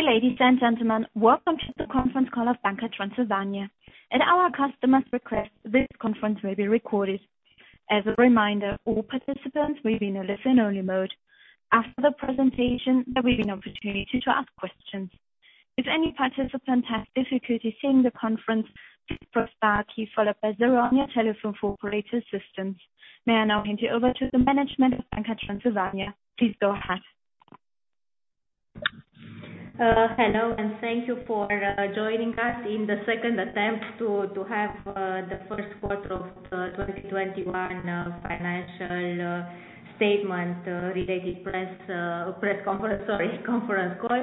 Dear ladies and gentlemen, welcome to the conference call of Banca Transilvania. At our customer's request, this conference will be recorded. As a reminder, all participants will be in a listen-only mode. After the presentation, there will be an opportunity to ask questions, if any participants that still could use sign the conference plus parties followed by zero telephone for operator system. May I now hand you over to the management of Banca Transilvania. Please go ahead. Hello, thank you for joining us in the second attempt to have the Q1 2021 financial statement related press conference call.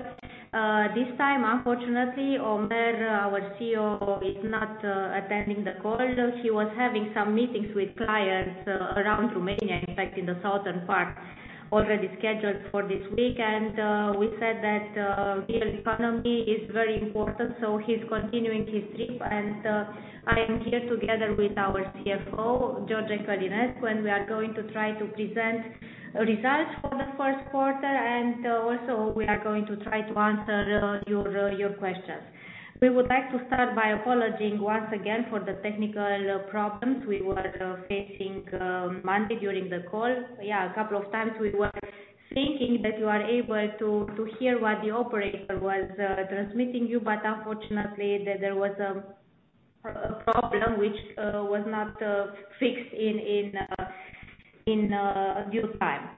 This time, unfortunately, Omer, our CEO, is not attending the call. He was having some meetings with clients around Romania, in fact, in the southern part, already scheduled for this week. We said that real economy is very important, so he's continuing his trip. I am here together with our CFO, George Călinescu, and we are going to try to present results for Q1, and also we are going to try to answer your questions. We would like to start by apologizing once again for the technical problems we were facing Monday during the call. A couple of times we were thinking that you are able to hear what the operator was transmitting you, but unfortunately, there was a problem which was not fixed in due time.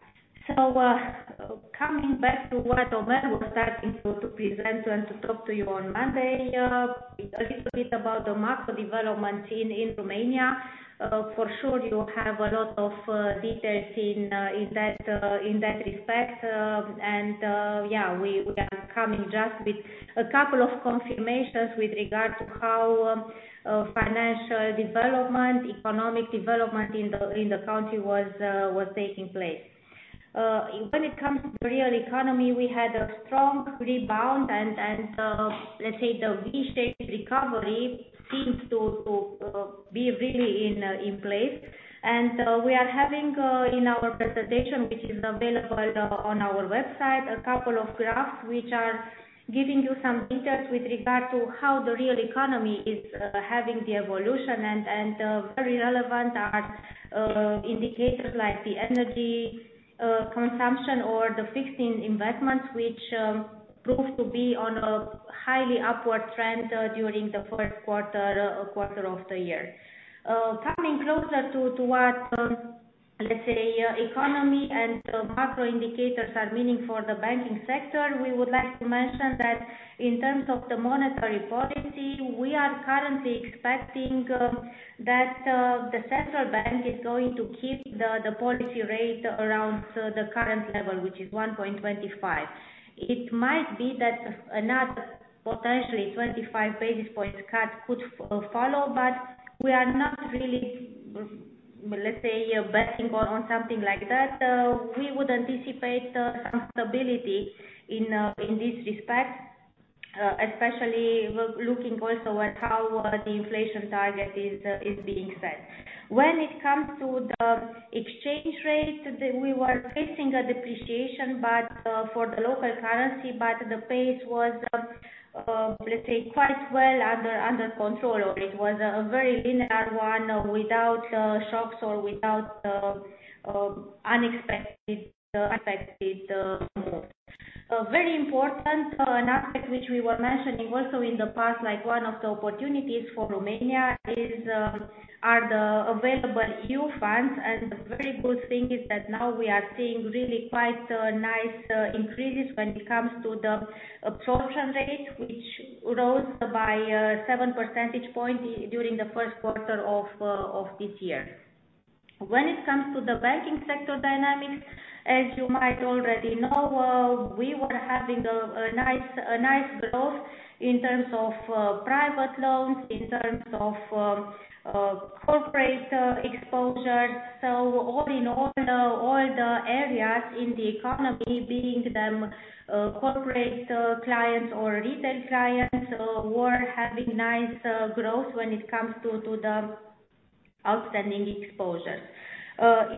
Coming back to what Omer was starting to present and to talk to you on Monday, a little bit about the macro developments in Romania. For sure, you have a lot of details in that respect. We are coming just with a couple of confirmations with regard to how financial development, economic development in the country was taking place. When it comes to real economy, we had a strong rebound, let's say the V-shaped recovery seems to be really in place. We are having in our presentation, which is available on our website, a couple of graphs which are giving you some details with regard to how the real economy is having the evolution. Very relevant are indicators like the energy consumption or the fixed investments, which proved to be on a highly upward trend during the first quarter of the year. Coming closer to what, let's say, economy and macro indicators are meaning for the banking sector, we would like to mention that in terms of the monetary policy, we are currently expecting that the central bank is going to keep the policy rate around the current level, which is 1.25. It might be that another potentially 25 basis points cut could follow, but we are not really, let's say, betting on something like that. We would anticipate some stability in this respect, especially looking also at how the inflation target is being set. When it comes to the exchange rate, we were facing a depreciation for the local currency, but the pace was, let's say, quite well under control, or it was a very linear one without shocks or without unexpected abrupt moves. A very important aspect which we were mentioning also in the past, like one of the opportunities for Romania, are the available EU funds. The very good thing is that now we are seeing really quite nice increases when it comes to the absorption rate, which rose by seven percentage points during the first quarter of this year. When it comes to the banking sector dynamics, as you might already know, we were having a nice growth in terms of private loans, in terms of corporate exposure. All in all, the areas in the economy, being them corporate clients or retail clients, were having nice growth when it comes to the outstanding exposure.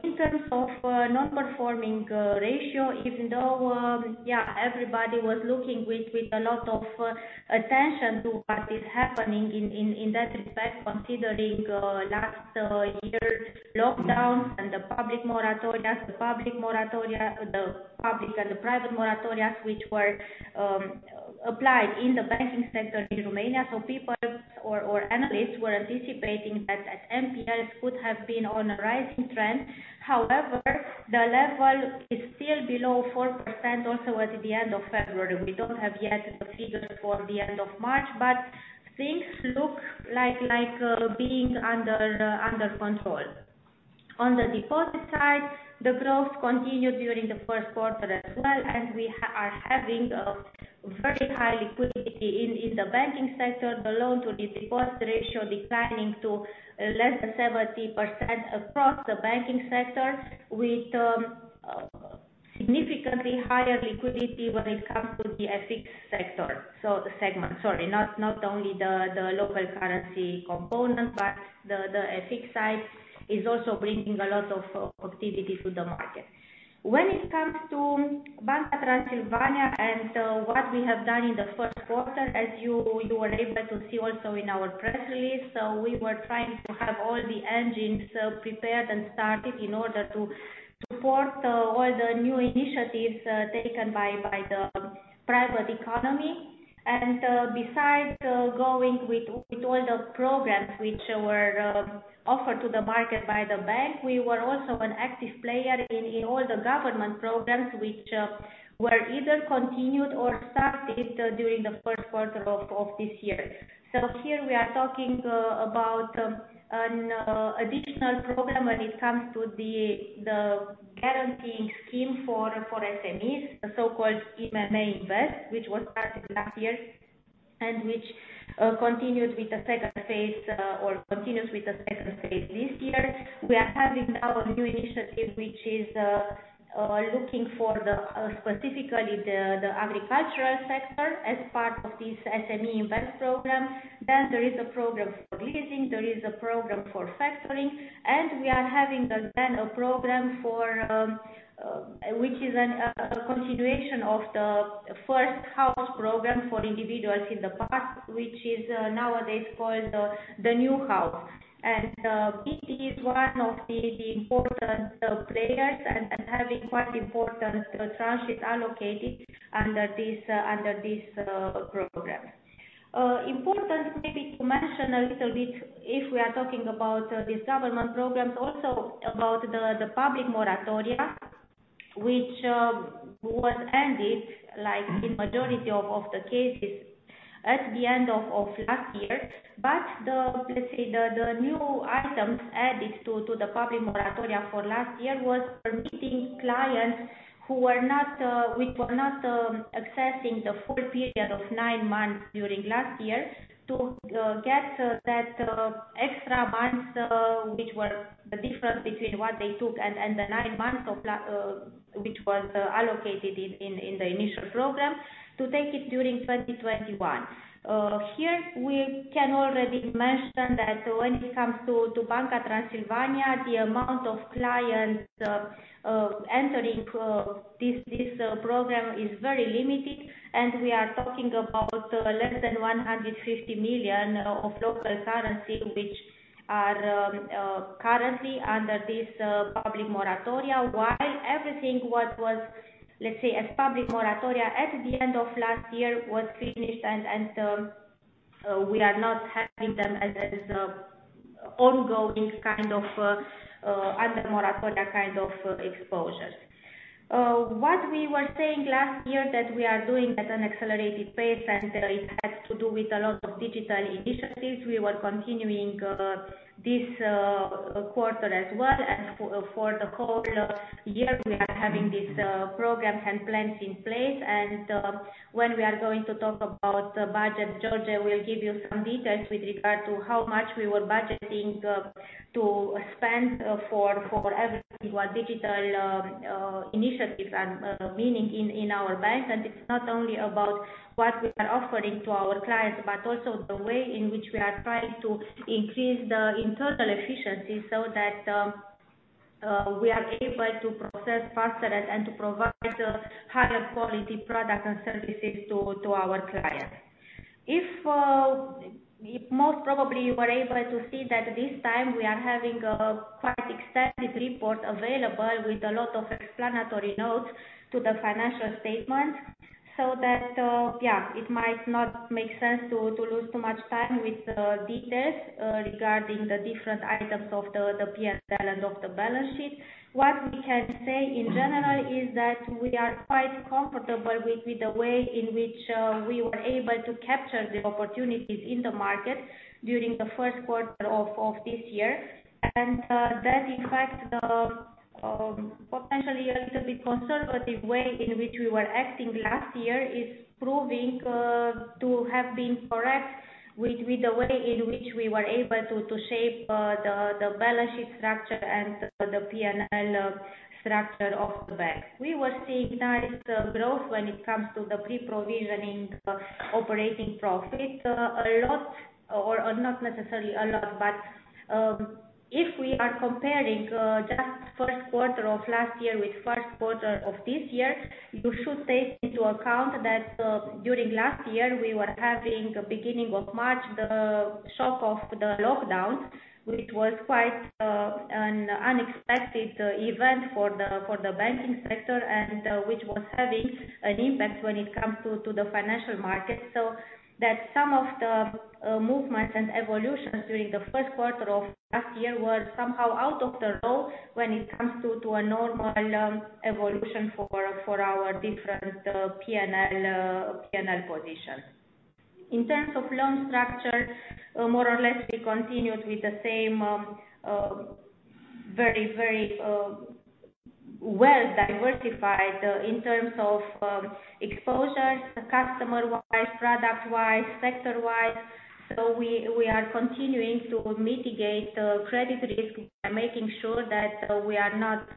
In terms of non-performing ratio, even though everybody was looking with a lot of attention to what is happening in that respect, considering last year's lockdown and the public and the private moratorias which were applied in the banking sector in Romania. People or analysts were anticipating that NPLs could have been on a rising trend. However, the level is still below 4% also at the end of February. We don't have yet the figures for the end of March, but things look like being under control. On the deposit side, the growth continued during the first quarter as well, and we are having a very high liquidity in the banking sector. The loan-to-deposit ratio declining to less than 70% across the banking sector, with significantly higher liquidity when it comes to the FX segment. Not only the local currency component, but the FX side is also bringing a lot of activity to the market. When it comes to Banca Transilvania and what we have done in the first quarter, as you were able to see also in our press release, we were trying to have all the engines prepared and started in order to support all the new initiatives taken by the private economy. Besides going with all the programs which were offered to the market by the bank, we were also an active player in all the government programs which were either continued or started during the first quarter of this year. Here we are talking about an additional program when it comes to the guaranteeing scheme for SMEs, the so-called IMM Invest, which was started last year and which continues with the two phase this year. We are having now a new initiative which is looking for specifically the agricultural sector as part of this IMM Invest program. There is a program for leasing, there is a program for factoring, and we are having again a program which is a continuation of the Prima Casă program for individuals in the past, which is nowadays called the Noua Casă. This is one of the important players and having quite important tranches allocated under this program. Important maybe to mention a little bit, if we are talking about these government programs, also about the public moratoria, which was ended, like in majority of the cases, at the end of last year. Let's say the new items added to the public moratoria for last year was permitting clients which were not accessing the full period of nine months during last year to get that extra months, which were the difference between what they took and the nine months which was allocated in the initial program to take it during 2021. Here we can already mention that when it comes to Banca Transilvania, the amount of clients entering this program is very limited, and we are talking about less than RON 150 million, which are currently under this public moratoria, while everything what was, let's say, as public moratoria at the end of last year was finished and we are not having them as ongoing under moratoria kind of exposures. What we were saying last year that we are doing at an accelerated pace, and it has to do with a lot of digital initiatives, we were continuing this quarter as well. For the whole year, we are having these programs and plans in place. When we are going to talk about budget, George will give you some details with regard to how much we were budgeting to spend for everything, what digital initiatives and meaning in our bank. It's not only about what we are offering to our clients, but also the way in which we are trying to increase the internal efficiency so that we are able to process faster and to provide higher quality product and services to our clients. Most probably, you were able to see that this time we are having a quite extensive report available with a lot of explanatory notes to the financial statement so that, yeah, it might not make sense to lose too much time with details regarding the different items of the P&L and of the balance sheet. What we can say in general is that we are quite comfortable with the way in which we were able to capture the opportunities in the market during the first quarter of this year. That in fact, potentially a little bit conservative way in which we were acting last year is proving to have been correct with the way in which we were able to shape the balance sheet structure and the P&L structure of the bank. We were seeing nice growth when it comes to the pre-provisioning operating profit. A lot or not necessarily a lot, but if we are comparing just first quarter of last year with first quarter of this year, you should take into account that during last year, we were having beginning of March, the shock of the lockdown, which was quite an unexpected event for the banking sector and which was having an impact when it comes to the financial market, so that some of the movements and evolutions during the first quarter of last year were somehow out of the row when it comes to a normal evolution for our different P&L positions. In terms of loan structure, more or less, we continued with the same very well diversified in terms of exposures, customer-wise, product-wise, sector-wise. We are continuing to mitigate credit risk by making sure that we are not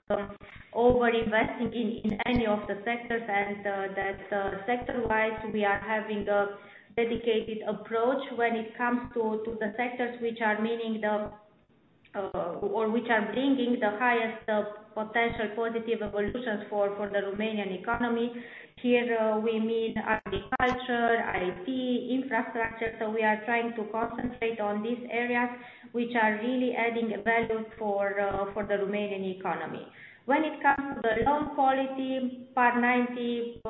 over-investing in any of the sectors, and that sector-wise, we are having a dedicated approach when it comes to the sectors which are bringing the highest potential positive evolutions for the Romanian economy. We mean agriculture, IT, infrastructure. We are trying to concentrate on these areas, which are really adding a value for the Romanian economy. When it comes to the loan quality, past 90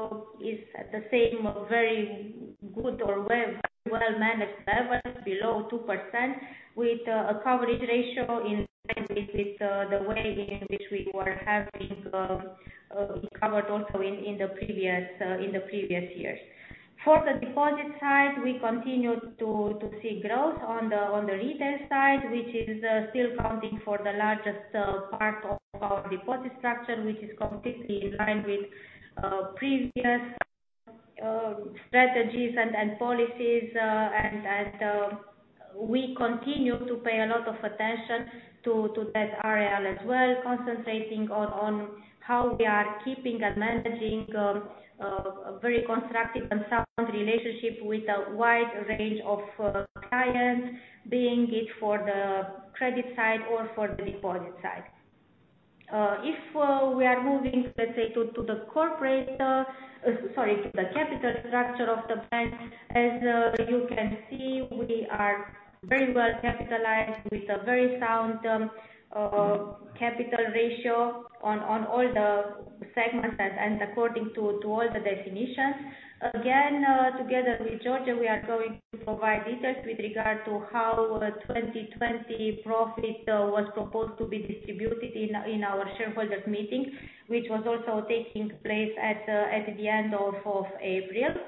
is at the same very good or very well managed level, below 2%, with a coverage ratio in line with the way in which we were having it covered also in the previous years. For the deposit side, we continue to see growth on the retail side, which is still accounting for the largest part of our deposit structure, which is completely in line with previous strategies and policies. We continue to pay a lot of attention to that area as well, concentrating on how we are keeping and managing a very constructive and sound relationship with a wide range of clients, being it for the credit side or for the deposit side. If we are moving, let's say, to the capital structure of the bank. As you can see, we are very well capitalized with a very sound capital ratio on all the segments and according to all the definitions. Together with George, we are going to provide details with regard to how 2020 profit was proposed to be distributed in our shareholders meeting, which was also taking place at the end of April.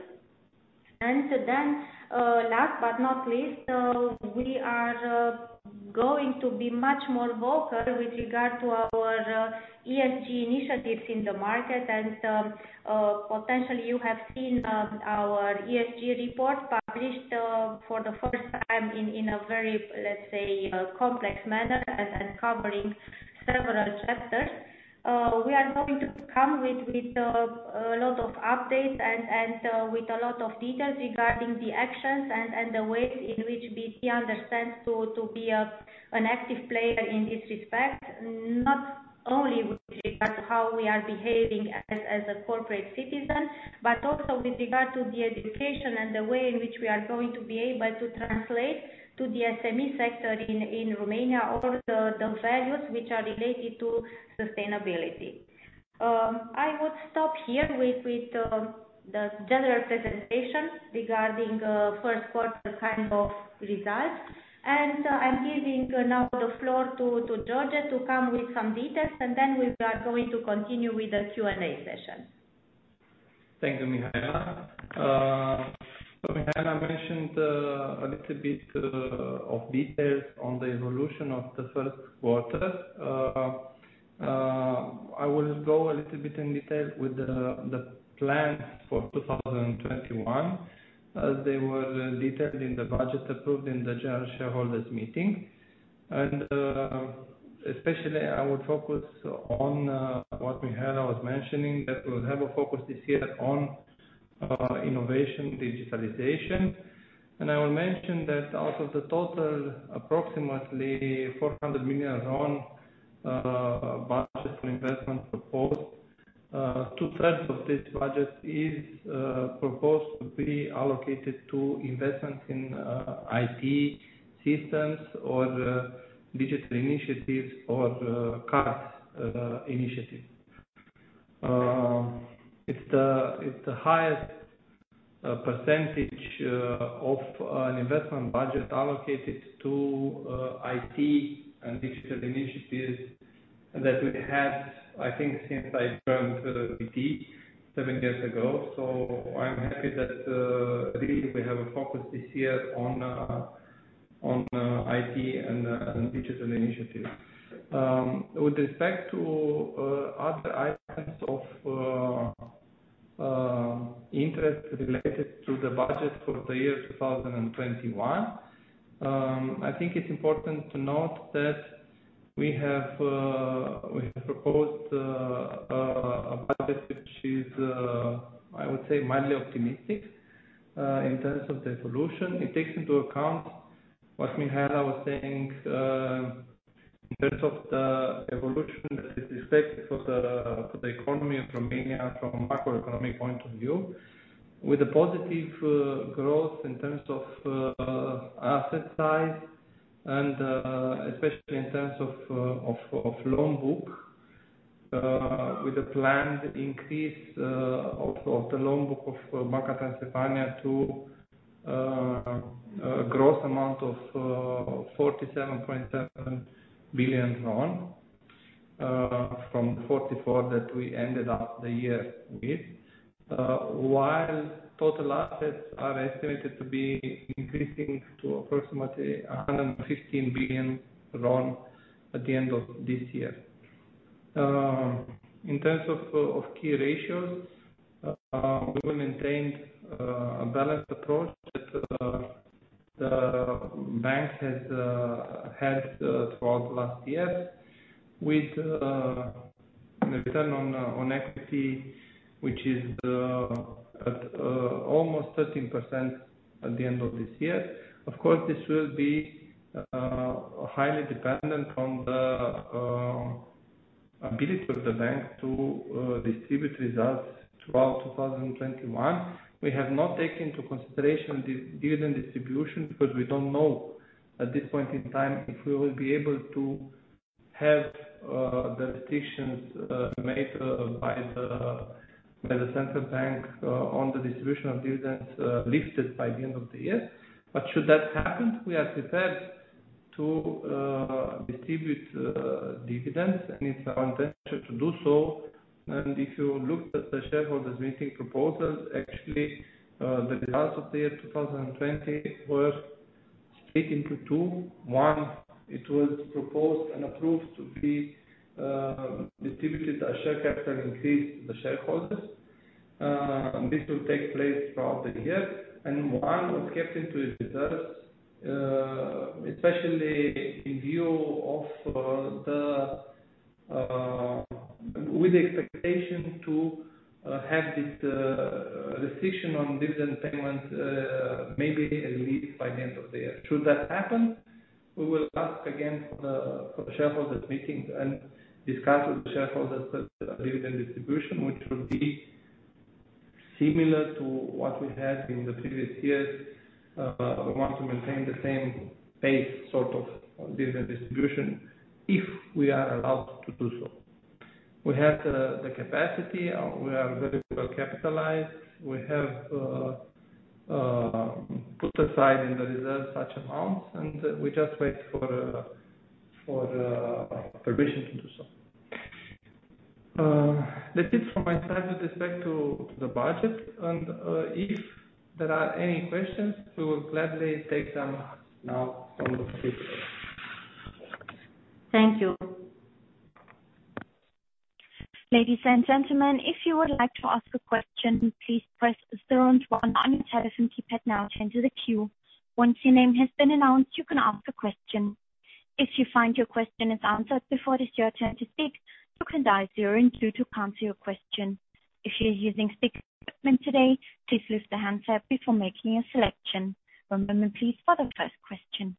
Last but not least, we are going to be much more vocal with regard to our ESG initiatives in the market. Potentially you have seen our ESG report published for the first time in a very, let's say, complex manner and covering several chapters. We are going to come with a lot of updates and with a lot of details regarding the actions and the ways in which BT understands to be an active player in this respect. Not only with regard to how we are behaving as a corporate citizen, but also with regard to the education and the way in which we are going to be able to translate to the SME sector in Romania all the values which are related to sustainability. I would stop here with the general presentation regarding first quarter kind of results, and I'm giving now the floor to George to come with some details, and then we are going to continue with the Q&A session. Thank you, Mihaela. Mihaela mentioned a little bit of details on the evolution of the first quarter. I will go a little bit in detail with the plan for 2021, as they were detailed in the budget approved in the general shareholders meeting. Especially I would focus on what Mihaela was mentioning, that we'll have a focus this year on innovation, digitalization. I will mention that out of the total approximately RON 400 million budget for investment proposed, 2/3 of this budget is proposed to be allocated to investments in IT systems or digital initiatives or cards initiatives. It's the highest percentage of an investment budget allocated to IT and digital initiatives that we had, I think, since I joined BT seven years ago. I'm happy that really we have a focus this year on IT and digital initiatives. With respect to other items of interest related to the budget for the year 2021, I think it's important to note that we have proposed a budget which is, I would say, mildly optimistic in terms of the evolution. It takes into account what Mihaela was saying in terms of the evolution that is expected for the economy in Romania from a macroeconomic point of view, with a positive growth in terms of asset size and especially in terms of loan book, with a planned increase of the loan book of Banca Transilvania to a gross amount of RON 47.7 billion from the RON 44 billion that we ended up the year with. While total assets are estimated to be increasing to approximately RON 115 billion at the end of this year. In terms of key ratios, we will maintain a balanced approach that the bank has had throughout last year And the return on equity, which is at almost 13% at the end of this year. Of course, this will be highly dependent on the ability of the bank to distribute results throughout 2021. We have not taken into consideration dividend distribution because we don't know at this point in time if we will be able to have the restrictions made by the central bank on the distribution of dividends lifted by the end of the year. Should that happen, we are prepared to distribute dividends, and it's our intention to do so. If you look at the shareholders' meeting proposal, actually, the results of the year 2020 were split into two. One, it was proposed and approved to be distributed as share capital increase to the shareholders. This will take place throughout the year. One was kept into reserves, especially with the expectation to have this restriction on dividend payments maybe relieved by the end of the year. Should that happen, we will ask again for the shareholders meeting and discuss with the shareholders the dividend distribution, which will be similar to what we had in the previous years. We want to maintain the same pace sort of dividend distribution if we are allowed to do so. We have the capacity. We are very well capitalized. We have put aside in the reserve such amounts, and we just wait for the permission to do so. That is from my side with respect to the budget. If there are any questions, we will gladly take them now from the people. Thank you. Ladies and gentlemen, if you would like to ask a question, please press zero and one on your telephone keypad now to enter the queue. Once your name has been announced, you can ask a question. If you find your question is answered before it is your turn to speak, you can dial zero and two to cancel your question. If you're using speaker equipment today, please lift the handset before making a selection. One moment, please, for the first question.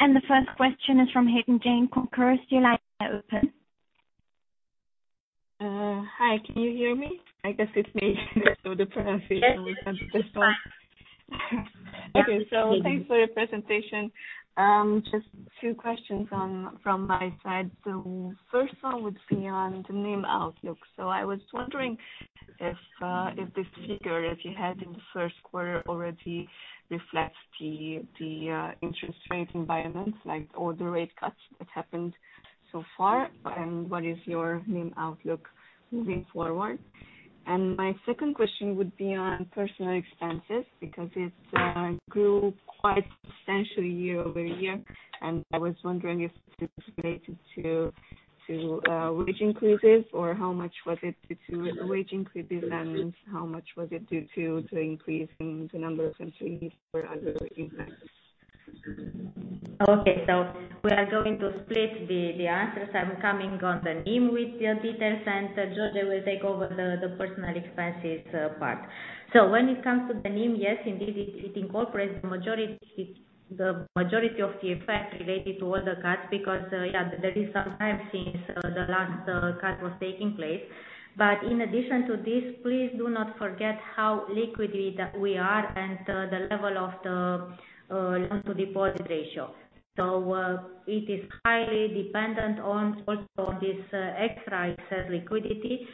The first question is from Hai-Anh Tran, Concorde Securities. Your line is now open. Hi, can you hear me? I guess it's me with the pronunciation, this one. Yes. Okay. Thanks for your presentation. Just two questions from my side. The first one would be on the NIM outlook. I was wondering if this figure, if you had in the first quarter already reflects the interest rate environment, like all the rate cuts that happened so far, and what is your NIM outlook moving forward? My second question would be on personal expenses, because it grew quite substantially year-over-year, and I was wondering if this is related to wage increases or how much was it due to wage increases, and how much was it due to increase in the number of employees or other expenses? We are going to split the answers. I'm coming on the NIM with details, and George will take over the personal expenses part. When it comes to the NIM, yes, indeed, it incorporates the majority of the effect related to all the cuts because there is some time since the last cut was taking place. In addition to this, please do not forget how liquid we are and the level of the loan-to-deposit ratio. It is highly dependent on also this excess liquidity.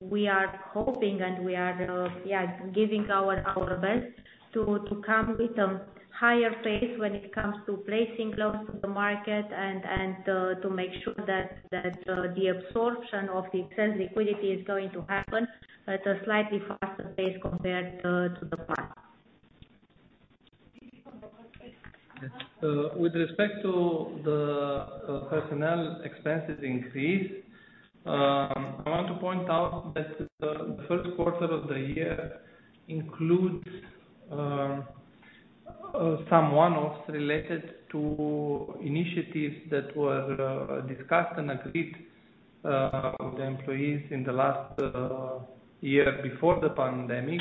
We are hoping, and we are giving our best to come with a higher pace when it comes to placing loans to the market and to make sure that the absorption of the excess liquidity is going to happen at a slightly faster pace compared to the past. With respect to the personnel expenses increase, I want to point out that the first quarter of the year includes some one-offs related to initiatives that were discussed and agreed with the employees in the last year before the pandemic,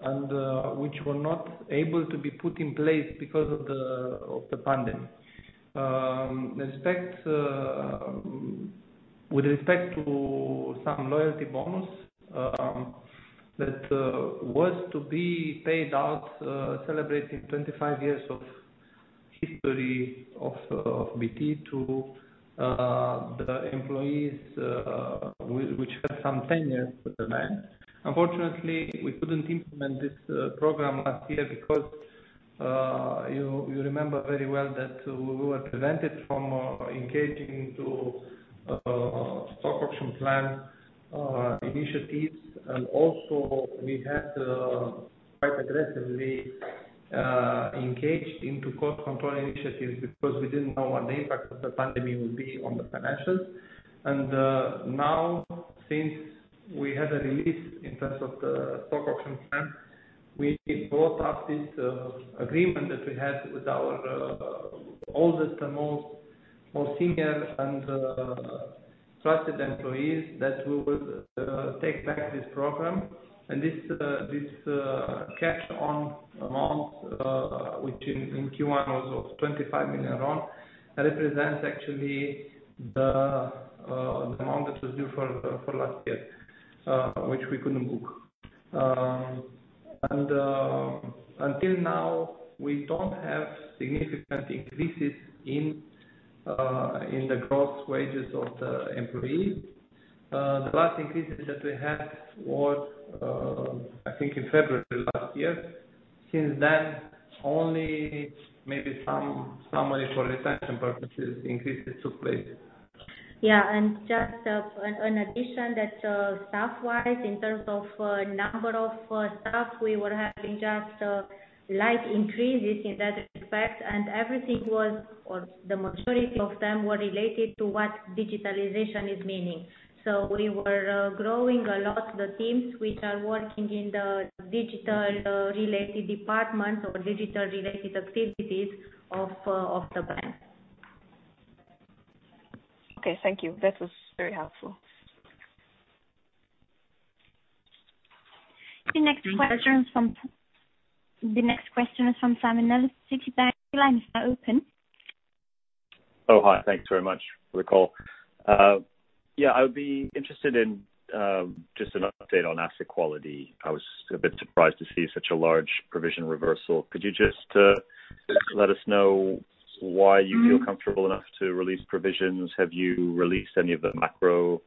and which were not able to be put in place because of the pandemic. With respect to some loyalty bonus that was to be paid out celebrating 25-years of history of BT to the employees, which had some tenure with the bank. Unfortunately, we couldn't implement this program last year because you remember very well that we were prevented from engaging into stock option plan initiatives. Also we had quite aggressively engaged into cost control initiatives because we didn't know what the impact of the pandemic would be on the financials. Now, since we had a release in terms of the stock option plan, we brought up this agreement that we had with our oldest and most senior and trusted employees that we will take back this program. This cash on amount, which in Q1 was of RON 25 million, represents actually the amount that was due for last year, which we couldn't book. Until now, we don't have significant increases in the gross wages of the employees. The last increases that we had were, I think, in February last year. Since then, only maybe some money for retention purposes increases took place. Yeah. Just an addition that staff-wise, in terms of number of staff, we were having just light increases in that respect, and everything was, or the majority of them were related to what digitalization is meaning. We were growing a lot the teams which are working in the digital-related departments or digital-related activities of the bank. Okay, thank you. That was very helpful. The next question is from Simon Nellis, Citi. Your line is now open. Hi. Thanks very much, Mihaela Nădășan. I would be interested in just an update on asset quality. I was a bit surprised to see such a large provision reversal. Could you just let us know why you feel comfortable enough to release provisions? Have you released any of the macro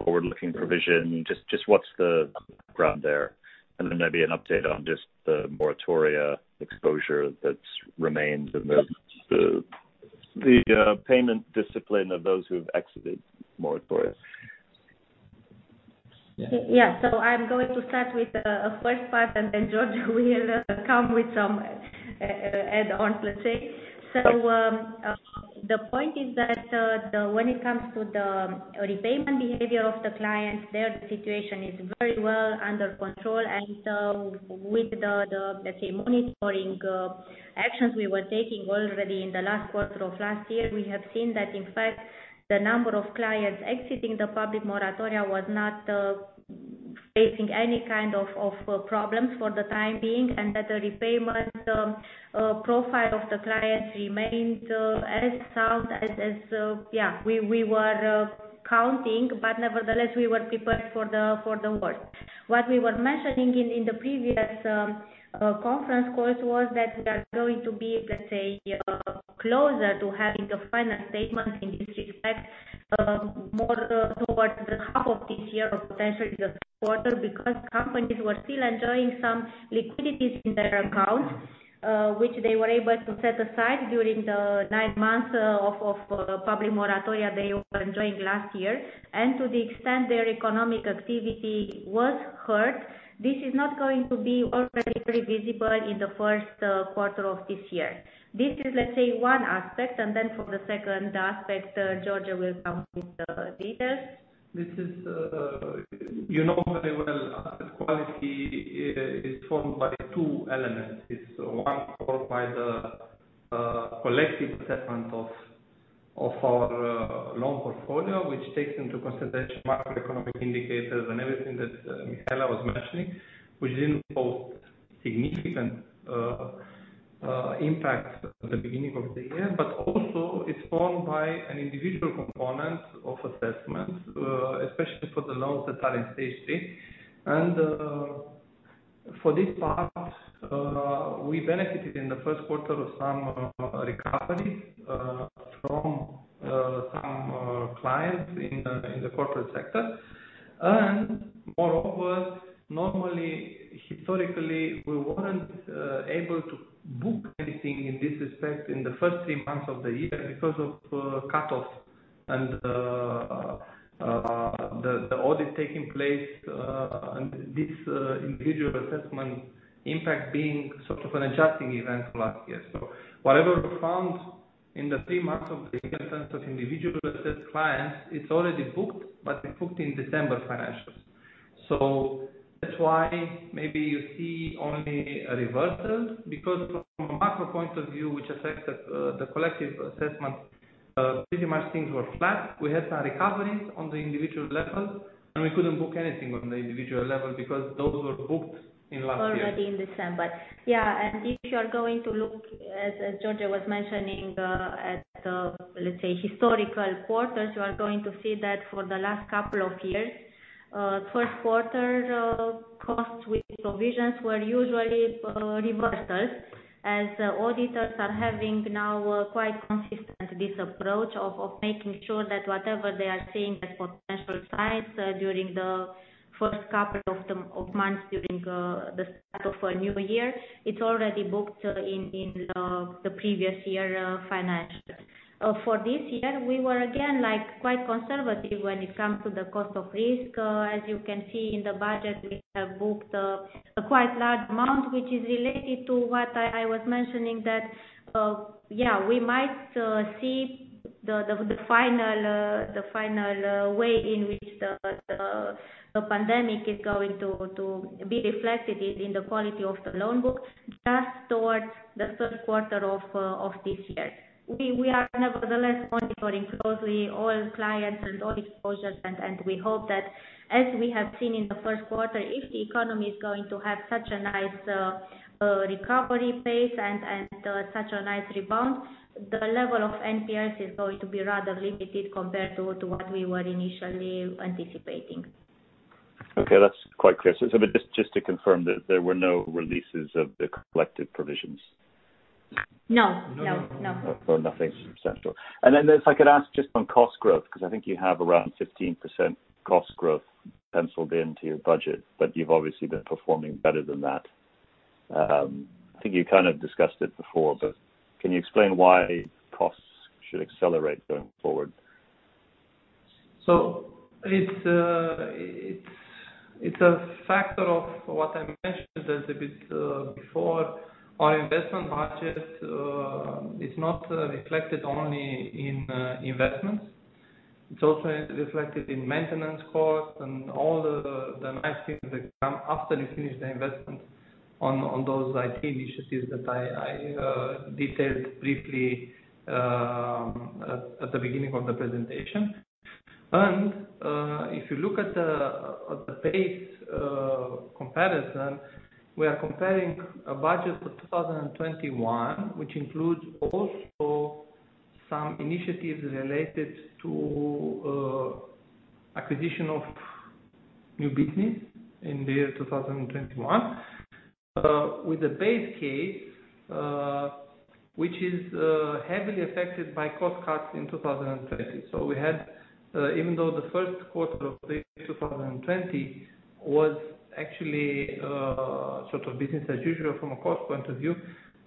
forward-looking provision? Just what's the background there? Maybe an update on just the moratoria exposure that remains and the payment discipline of those who've exited moratoria. Yeah. I'm going to start with the first part, and then George will come with some add on, let's say. The point is that when it comes to the repayment behavior of the clients, their situation is very well under control. With the, let's say, monitoring actions we were taking already in the last quarter of last year, we have seen that, in fact, the number of clients exiting the public moratoria was not facing any kind of problems for the time being, and that the repayment profile of the clients remained as sound as we were counting. Nevertheless, we were prepared for the worst. What we were mentioning in the previous conference calls was that we are going to be, let's say, closer to having the final statement in this respect more towards the half of this year or potentially the third quarter, because companies were still enjoying some liquidities in their accounts, which they were able to set aside during the nine months of public moratoria they were enjoying last year. To the extent their economic activity was hurt, this is not going to be already very visible in the first quarter of this year. This is, let's say, one aspect, for the second aspect, George will come with the details. You know very well, asset quality is formed by two elements. It's one formed by the collective assessment of our loan portfolio, which takes into consideration macroeconomic indicators and everything that Mihaela was mentioning, which didn't pose significant impact at the beginning of the year. Also, it's formed by an individual component of assessments, especially for the loans that are in Stage 3. For this part, we benefited in the first quarter of some recovery from some clients in the corporate sector. Moreover, normally, historically, we weren't able to book anything in this respect in the first three months of the year because of cutoffs and the audit taking place, and this individual assessment impact being sort of an adjusting event from last year. Whatever we found in the three months of the year in terms of individual assessed clients, it's already booked, but booked in December financials. That's why maybe you see only a reversal, because from a macro point of view, which affects the collective assessment, pretty much things were flat. We had some recoveries on the individual level, and we couldn't book anything on the individual level because those were booked in last year. Already in December. Yeah, if you are going to look, as George was mentioning, at, let's say, historical quarters, you are going to see that for the last couple of years, first quarter costs with provisions were usually reversals, as auditors are having now quite consistent this approach of making sure that whatever they are seeing as potential signs during the first couple of months during the start of a new year, it's already booked in the previous year financials. For this year, we were again quite conservative when it comes to the cost of risk. As you can see in the budget, we have booked a quite large amount, which is related to what I was mentioning that, yeah, we might see the final way in which the pandemic is going to be reflected in the quality of the loan book just towards the third quarter of this year. We are nevertheless monitoring closely all clients and all exposures, and we hope that as we have seen in the first quarter, if the economy is going to have such a nice recovery pace and such a nice rebound, the level of NPEs is going to be rather limited compared to what we were initially anticipating. Okay, that's quite clear. Just to confirm that there were no releases of the collective provisions? No. No. Nothing substantial. If I could ask just on cost growth, because I think you have around 15% cost growth penciled into your budget, but you've obviously been performing better than that. I think you kind of discussed it before. Can you explain why costs should accelerate going forward? It's a factor of what I mentioned a little bit before. Our investment budget, it's not reflected only in investments. It's also reflected in maintenance costs and all the nice things that come after you finish the investment on those IT initiatives that I detailed briefly at the beginning of the presentation. If you look at the base comparison, we are comparing a budget for 2021, which includes also some initiatives related to acquisition of new business in the year 2021, with the base case, which is heavily affected by cost cuts in 2020. We had, even though the first quarter of 2020 was actually sort of business as usual from a cost point of view,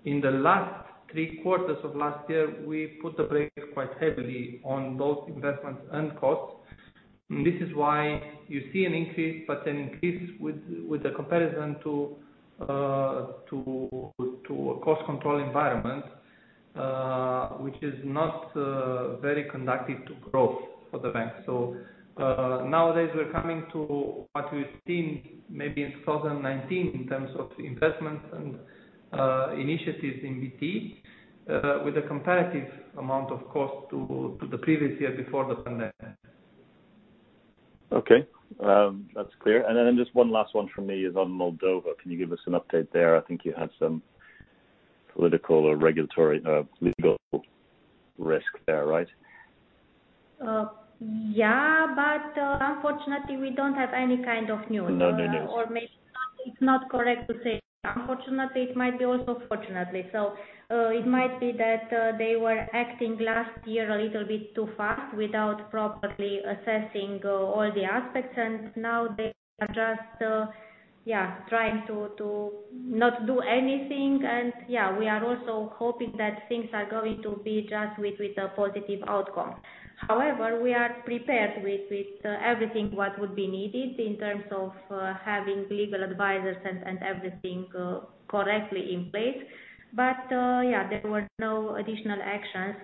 in the last three quarters of last year, we put the brake quite heavily on those investments and costs. This is why you see an increase, but an increase with the comparison to a cost control environment, which is not very conductive to growth for the bank. Nowadays we're coming to what we've seen maybe in 2019 in terms of investments and initiatives in BT, with a comparative amount of cost to the previous year before the pandemic. Okay. That's clear. Just one last one from me is on Moldova. Can you give us an update there? I think you had some political or regulatory, legal risk there, right? Yeah, unfortunately, we don't have any kind of news. No news. Maybe it's not correct to say unfortunately, it might be also fortunately. It might be that they were acting last year a little bit too fast without properly assessing all the aspects, and now they are just, yeah, trying to not do anything. Yeah, we are also hoping that things are going to be just with a positive outcome. However, we are prepared with everything, what would be needed in terms of having legal advisors and everything correctly in place. Yeah, there were no additional actions,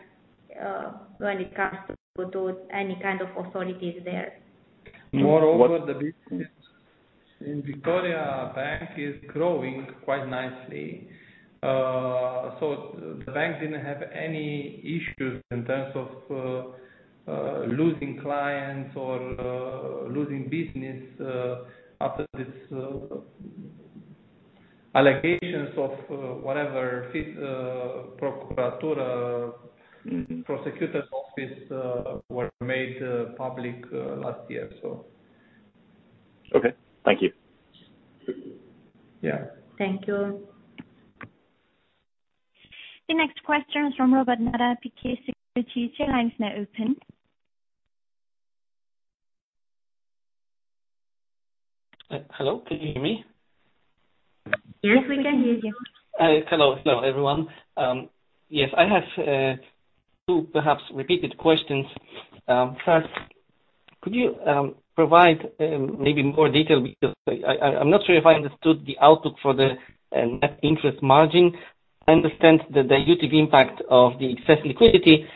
when it comes to any kind of authorities there. And what-. Moreover, the business in Victoriabank is growing quite nicely. The bank didn't have any issues in terms of losing clients or losing business after these allegations of whatever, procuratură, prosecutor's office were made public last year. Okay. Thank you. Yeah. Thank you. The next question is from Robert Knotters, PKO BP Securities. Your line is now open. Hello, can you hear me? Yes, we can hear you. Hello. Hello, everyone. I have two perhaps repeated questions. First, could you provide maybe more detail, because I'm not sure if I understood the outlook for the net interest margin. I understand the dilutive impact of the excess liquidity,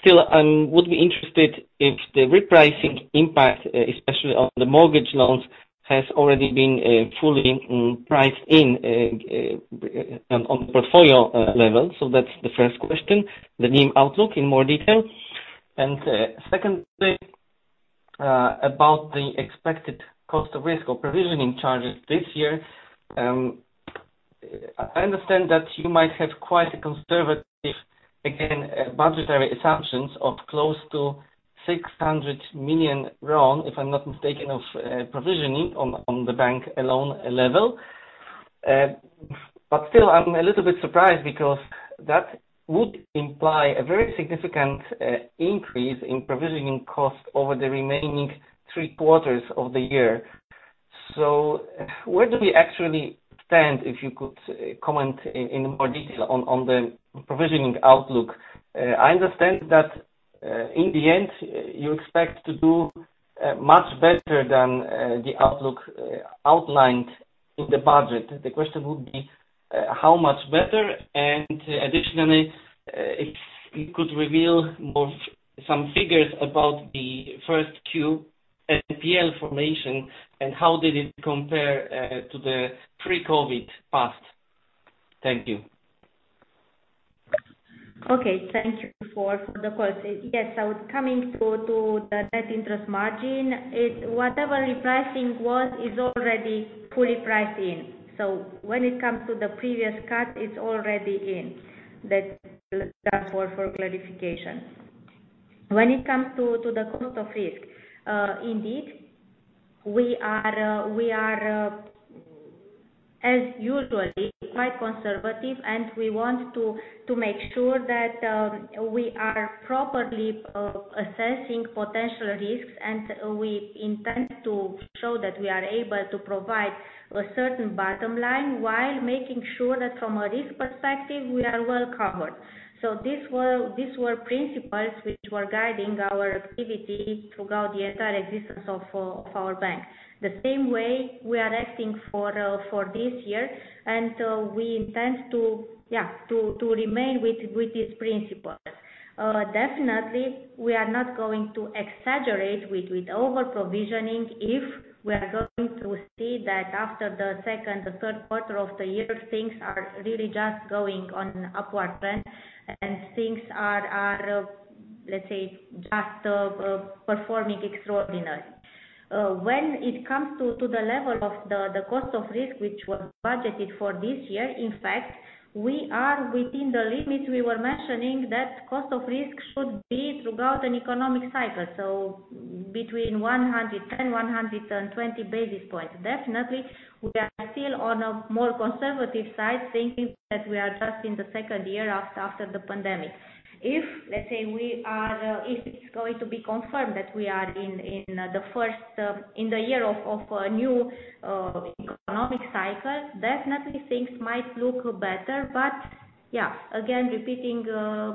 still, I would be interested if the repricing impact, especially on the mortgage loans, has already been fully priced in on the portfolio level. That's the first question, the NIM outlook in more detail. Secondly, about the expected cost of risk or provisioning charges this year. I understand that you might have quite a conservative, again, budgetary assumptions of close to 600 million RON, if I'm not mistaken, of provisioning on the bank loan level. Still, I'm a little bit surprised because that would imply a very significant increase in provisioning cost over the remaining three quarters of the year. Where do we actually stand, if you could comment in more detail on the provisioning outlook? I understand that, in the end, you expect to do much better than the outlook outlined in the budget. The question would be how much better, and additionally, if you could reveal some figures about the Q1 NPL formation and how did it compare to the pre-COVID past. Thank you. Thank you for the question. Coming to the net interest margin, whatever repricing was is already fully priced in. When it comes to the previous cut, it's already in. That's all for clarification. When it comes to the cost of risk, indeed, we are as usual quite conservative, and we want to make sure that we are properly assessing potential risks, and we intend to show that we are able to provide a certain bottom line while making sure that from a risk perspective, we are well covered. These were principles which were guiding our activity throughout the entire existence of our bank. The same way we are acting for this year, and we intend to remain with these principles. Definitely, we are not going to exaggerate with over-provisioning if we are going to see that after the second or third quarter of the year, things are really just going on upward trend, and things are, let's say, just performing extraordinary. When it comes to the level of the cost of risk which was budgeted for this year, in fact, we are within the limit we were mentioning that cost of risk should be throughout an economic cycle, so between 110, 120 basis points. Definitely, we are still on a more conservative side, thinking that we are just in the second year after the pandemic. If it's going to be confirmed that we are in the year of a new economic cycle, definitely things might look better. Yeah, again, repeating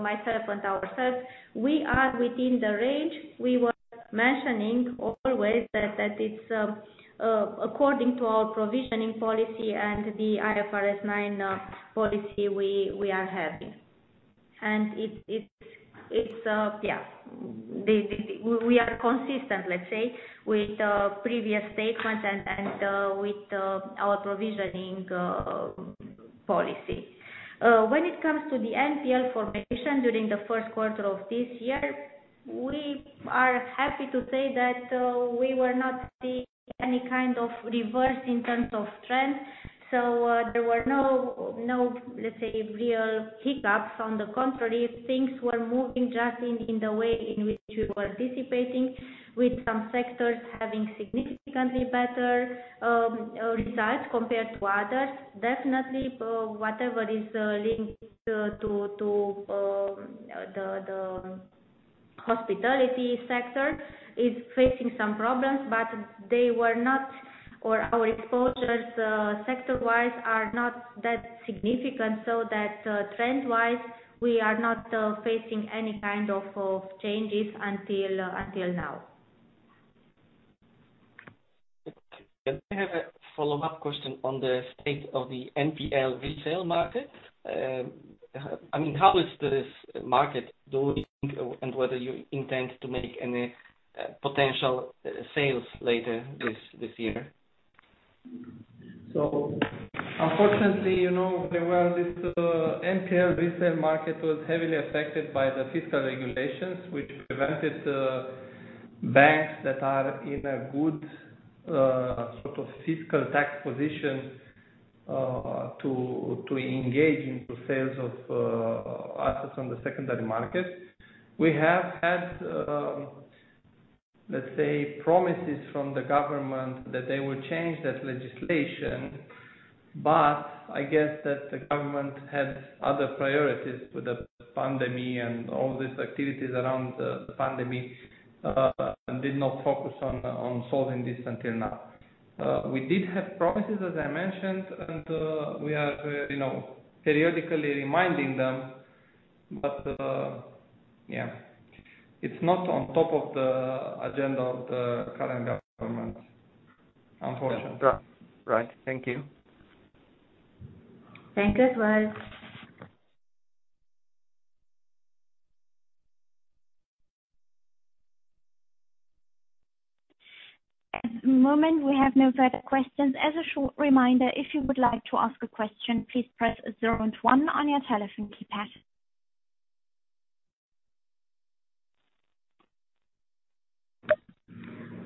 myself and ourselves, we are within the range we were mentioning always that it's according to our provisioning policy and the IFRS 9 policy we are having. We are consistent, let's say, with previous statements and with our provisioning policy. When it comes to the NPL formation during the first quarter of this year, we are happy to say that we were not seeing any kind of reverse in terms of trend. There were no, let's say, real hiccups. On the contrary, things were moving just in the way in which we were anticipating, with some sectors having significantly better results compared to others. Definitely, whatever is linked to the hospitality sector is facing some problems, but our exposures sector-wise are not that significant, so that trend-wise, we are not facing any kind of changes until now. I have a follow-up question on the state of the NPL resale market. How is this market doing, and whether you intend to make any potential sales later this year? Unfortunately, the NPL resale market was heavily affected by the fiscal regulations, which prevented banks that are in a good sort of fiscal tax position to engage into sales of assets on the secondary market. We have had, let's say, promises from the government that they will change that legislation. I guess that the government had other priorities with the pandemic and all these activities around the pandemic, and did not focus on solving this until now. We did have promises, as I mentioned, and we are periodically reminding them. It's not on top of the agenda of the current government, unfortunately. Right. Thank you. Thank you as well. At the moment, we have no further questions. As a short reminder, if you would like to ask a question, please press zero and one on your telephone keypad.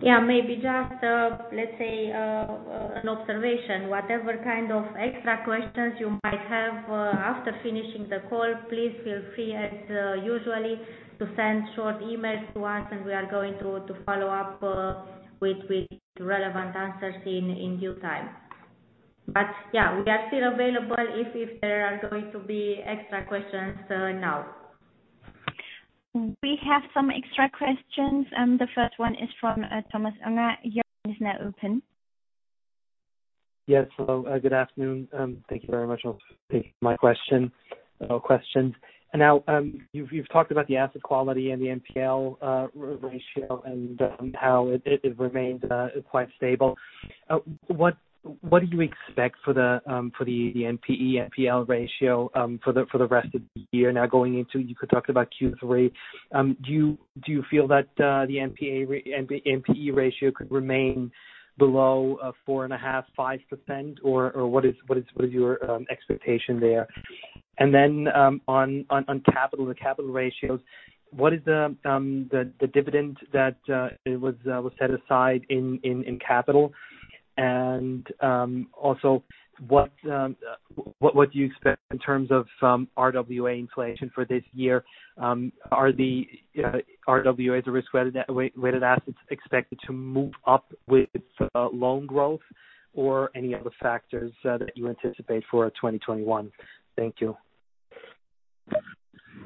Yeah, maybe just, let's say, an observation. Whatever kind of extra questions you might have after finishing the call, please feel free as usual to send short emails to us, and we are going to follow up with relevant answers in due time. Yeah, we are still available if there are going to be extra questions now. We have some extra questions. The first one is from Thomas Unger, your line is now open. Yes. Hello, good afternoon. Thank you very much for taking my questions. You've talked about the asset quality and the NPL ratio and how it remains quite stable. What do you expect for the NPE NPL ratio for the rest of the year now going into, you could talk about Q3? Do you feel that the NPE ratio could remain below 4.5%-5%? What is your expectation there? On capital, the capital ratios, what is the dividend that was set aside in capital? What do you expect in terms of RWA inflation for this year? Are the RWAs, the risk-weighted assets, expected to move up with loan growth? Any other factors that you anticipate for 2021? Thank you.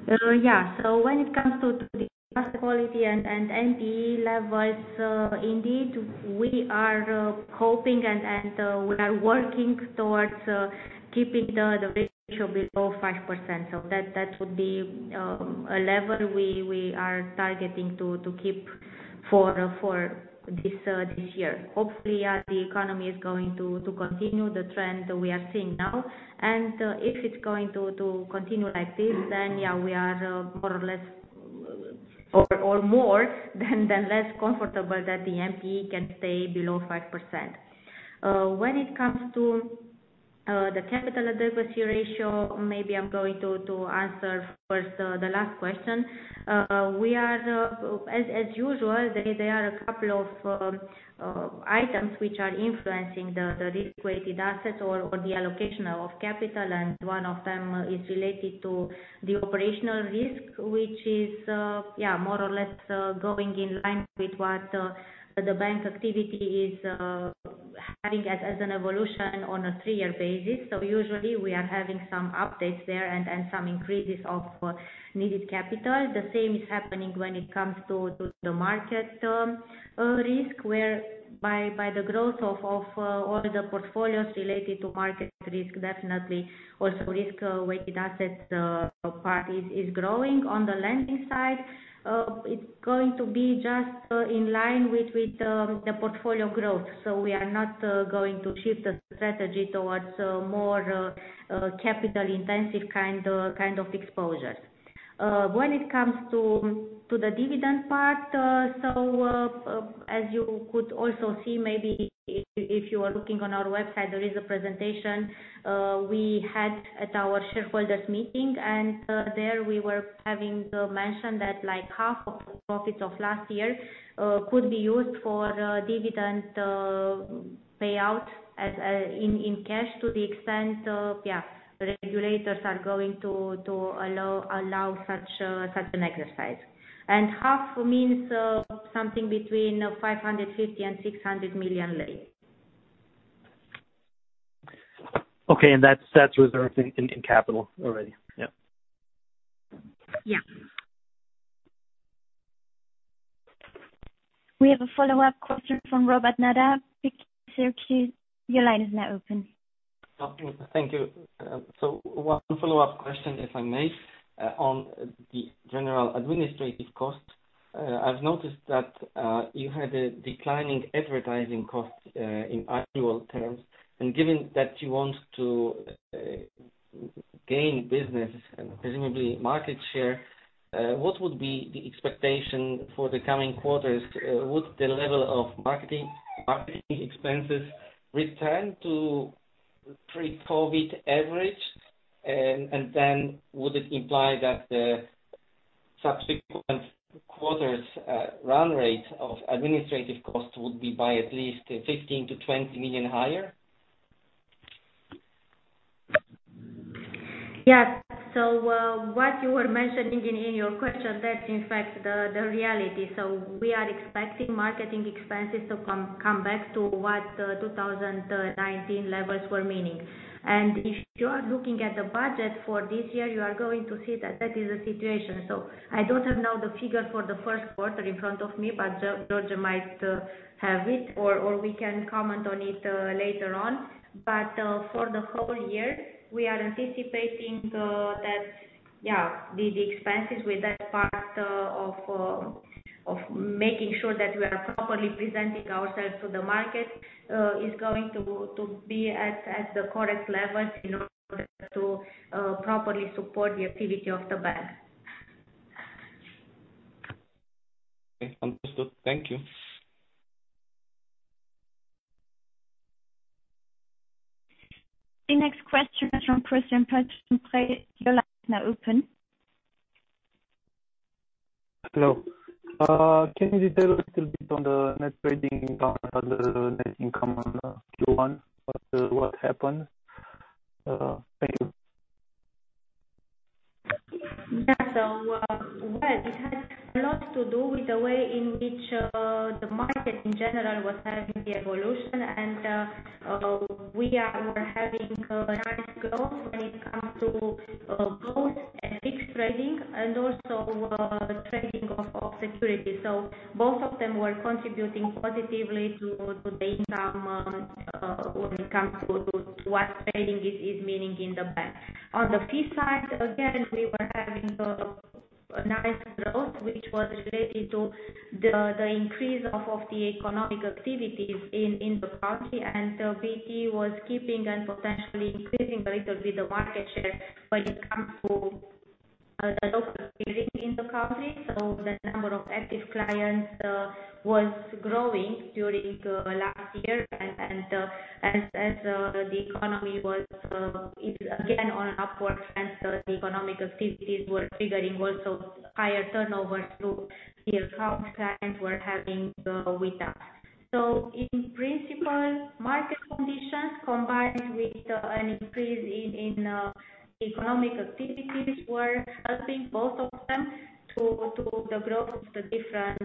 Yeah. When it comes to the asset quality and NPE levels, indeed, we are hoping and we are working towards keeping the ratio below 5%. That would be a level we are targeting to keep for this year. Hopefully, as the economy is going to continue the trend we are seeing now, and if it's going to continue like this, then yeah, we are more than less comfortable that the NPE can stay below 5%. When it comes to the capital adequacy ratio, maybe I'm going to answer first the last question. As usual, there are a couple of items which are influencing the risk-weighted assets or the allocation of capital, and one of them is related to the operational risk, which is more or less going in line with what the bank activity is having as an evolution on a three year basis. Usually we are having some updates there and some increases of needed capital. The same is happening when it comes to the market risk, where by the growth of all the portfolios related to market risk, definitely also risk-weighted assets part is growing. On the lending side, it's going to be just in line with the portfolio growth. We are not going to shift the strategy towards more capital-intensive kind of exposures. When it comes to the dividend part, as you could also see, maybe if you are looking on our website, there is a presentation we had at our shareholders meeting. There we were having mentioned that half of the profits of last year could be used for the dividend payout in cash to the extent regulators are going to allow such an exercise. Half means something between RON 550 million and RON 600 million. Okay, that's reserved in capital already? Yep. Yeah. We have a follow-up question from Robert Knotters. Sir, your line is now open. Thank you. One follow-up question, if I may, on the general administrative cost. I've noticed that you had a declining advertising cost in annual terms. Given that you want to gain business and presumably market share, what would be the expectation for the coming quarters? Would the level of marketing expenses return to pre-COVID average? Would it imply that the subsequent quarter's run rate of administrative cost would be by at least RON 15 million-RON 20 million higher? Yeah. What you were mentioning in your question, that's in fact the reality. We are expecting marketing expenses to come back to what 2019 levels were meaning. If you are looking at the budget for this year, you are going to see that that is the situation. I don't have now the figure for the first quarter in front of me, but George might have it, or we can comment on it later on. For the whole year, we are anticipating that the expenses with that part of making sure that we are properly presenting ourselves to the market is going to be at the correct levels in order to properly support the activity of the bank. Okay, understood. Thank you. The next question is from Christian Pitcher. Your line is now open. Hello. Can you detail a little bit on the net trading down under net income on Q1? What happened? Thank you. Yeah. Well, it has a lot to do with the way in which the market in general was having the evolution, and we were having a nice growth when it comes to both fixed trading and also trading of security. Both of them were contributing positively to the income when it comes to what trading is meaning in the bank. On the fee side, again, we were having a nice growth, which was related to the increase of the economic activities in the country. BT was keeping and potentially increasing a little bit the market share when it comes to the local billing in the country. The number of active clients was growing during last year. As the economy was, it's again on an upward trend, the economic activities were triggering also higher turnover to the accounts clients were having with us. In principle, market conditions combined with an increase in economic activities were helping both of them to the growth of the different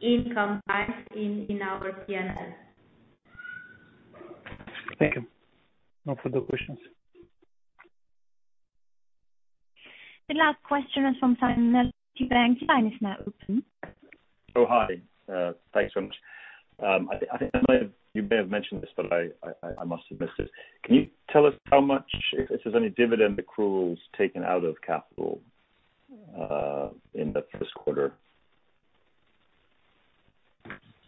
income types in our P&L. Thank you. No further questions. The last question is from Simon Nellis now open. Oh, hi. Thanks so much. I think you may have mentioned this, but I must have missed it. Can you tell us how much, if there is any dividend accruals taken out of capital in the first quarter?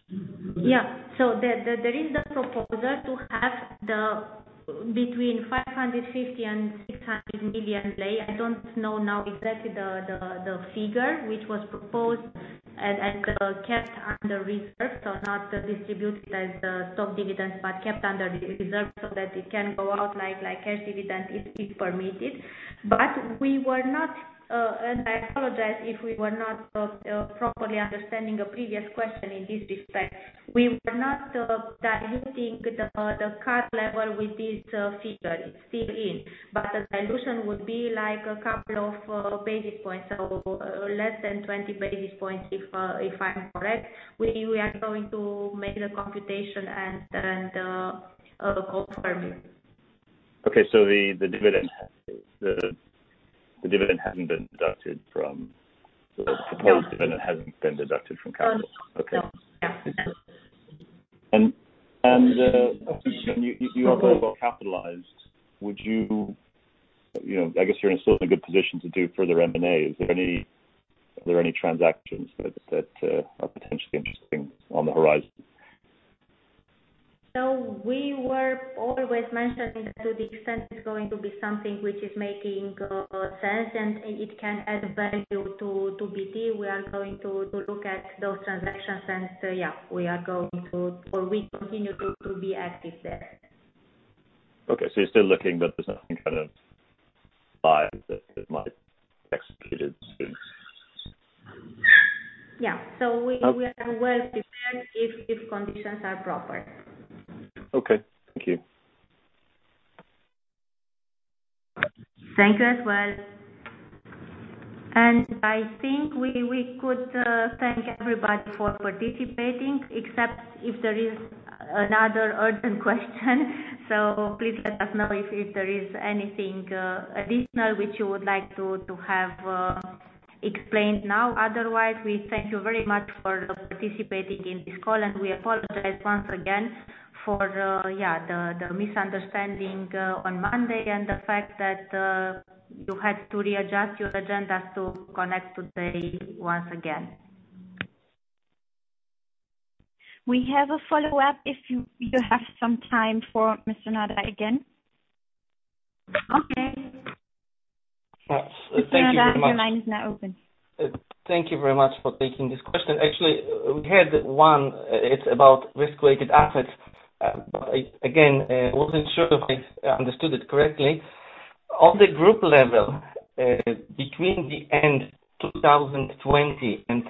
There is the proposal to have between RON 550 million and RON 600 million. I don't know now exactly the figure, which was proposed and kept under reserve, so not distributed as stock dividends, but kept under reserve so that it can go out like cash dividend if permitted. We were not, and I apologize if we were not properly understanding a previous question in this respect, we were not diluting the CET1 level with this figure. It's still in, the dilution would be like a couple of basis points, so less than 20 basis points if I'm correct. We are going to make the computation and post for you. Okay. the dividend hasn't been deducted from. No. The proposed dividend hasn't been deducted from capital. No. Okay. You are very well capitalized. I guess you're still in a good position to do further M&A. Are there any transactions that are potentially interesting on the horizon? We were always mentioning that to the extent it is going to be something which is making sense and it can add value to BT, we are going to look at those transactions and, yeah, we continue to be active there. Okay. You're still looking, but there's nothing kind of live that might be executed soon. Yeah. We are well prepared if conditions are proper. Okay. Thank you. Thank you as well. I think we could thank everybody for participating, except if there is another urgent question. Please let us know if there is anything additional which you would like to have explained now. Otherwise, we thank you very much for participating in this call, and we apologize once again for the misunderstanding on Monday and the fact that you had to readjust your agendas to connect today once again. We have a follow-up if you have some time for Mr. Knotters again. Okay. Yes. Thank you very much. Mr. Knotters, your line is now open. Thank you very much for taking this question. Actually, we had one, it's about risk-weighted assets. Again, I wasn't sure if I understood it correctly. On the group level, between the end 2020 and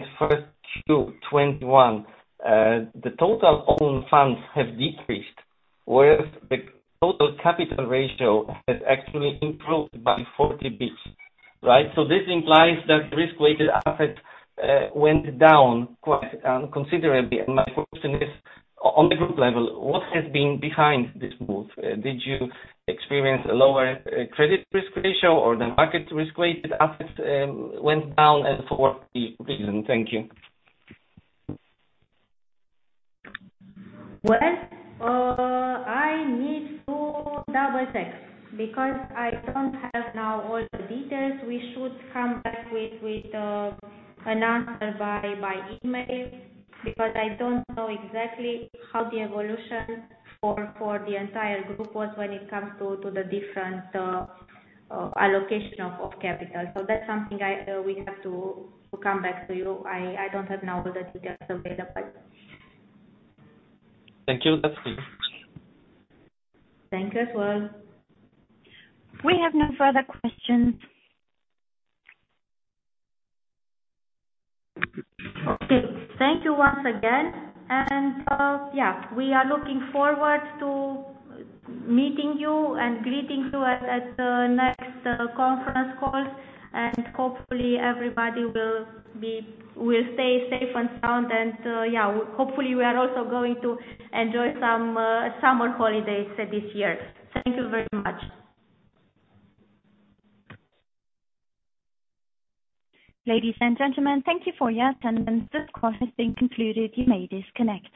Q1 2021, the total own funds have decreased, whereas the total capital ratio has actually improved by 40 basis points, right? This implies that risk-weighted assets went down quite considerably. My question is, on the group level, what has been behind this move? Did you experience a lower credit risk ratio, or the market risk-weighted assets went down and for what reason? Thank you. I need to double-check because I don't have now all the details. We should come back with an answer by email, because I don't know exactly how the evolution for the entire group was when it comes to the different allocation of capital. That's something we have to come back to you. I don't have now all the details available. Thank you. That's clear. Thank you as well. We have no further questions. Okay. Thank you once again. Yeah, we are looking forward to meeting you and greeting you at the next conference call. Hopefully, everybody will stay safe and sound and, yeah, hopefully, we are also going to enjoy some summer holidays this year. Thank you very much. Ladies and gentlemen, thank you for your attendance. This call has been concluded. You may disconnect.